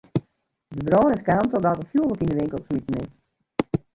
De brân is kaam trochdat der fjoerwurk yn de winkel smiten is.